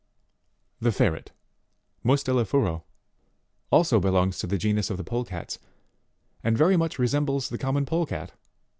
20. The Ferret Mustela Furo also belongs to the genus of the Polecats, and very much resembles the common polecat.